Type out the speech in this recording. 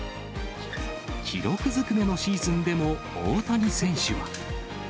記録ずくめのシーズンでも、大谷選手は。